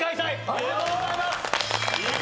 おめでとうございます。